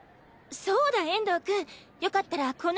そうだ遠藤くんよかったらこのあと一緒に。